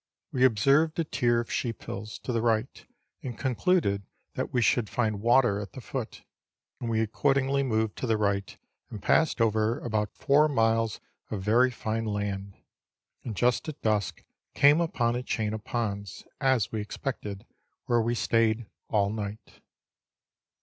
We observed a tier of sheep hills to the right, and concluded that we should find water at the foot, and we accordingly moved to the right and passed over about four miles of very fine land, and just at dusk came upon a chain of ponds, as we expected, where we stayed all night.